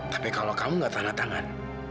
tapi kalau kamu enggak tahan tangan